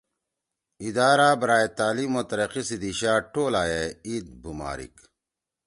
ادارہ برائے تعلیم و ترقی سی دیّشا ٹوالائے لیؤ عید بُمارک.